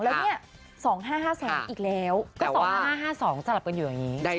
แล้วเนี่ย๒๕๕๒อีกแล้วก็๒๕๕๒สลับกันอยู่อย่างนี้